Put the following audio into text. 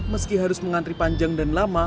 meski harus mengantri panjang dan lama